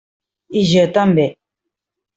I jo també.